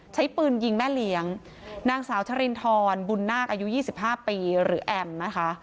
ใช้ปืนยิงแม่เลี้ยงนางสาวชรินทรบุญนาคอายุ๒๕ปีหรือแอมนะคะ